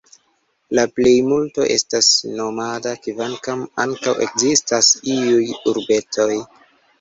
La plejmulto estas nomada, kvankam ankaŭ ekzistas iuj urbetoj.